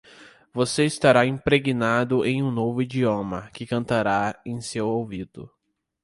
Você estará impregnado em um novo idioma que cantará em seu ouvido.